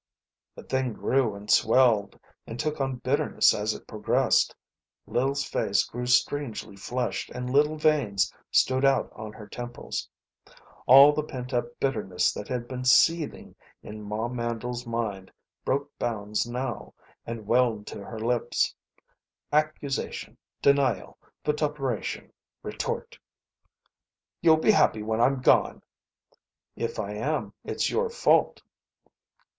The thing grew and swelled and took on bitterness as it progressed. Lil's face grew strangely flushed and little veins stood out on her temples. All the pent up bitterness that had been seething in Ma Mandle's mind broke bounds now, and welled to her lips. Accusation, denial; vituperation, retort. "You'll be happy when I'm gone." "If I am it's your fault."